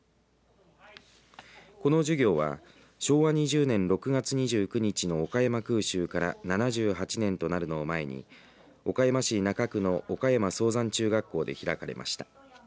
この授業は昭和２０年６月２９日の岡山空襲から７８年となるのを前に岡山市中区の岡山操山中学校で開かれました。